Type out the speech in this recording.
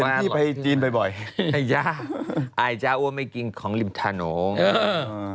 เป็นพี่ไปจีนบ่อยบ่อยอิจฉาอาจจะอ้วนไม่กินของลิมทานงเออ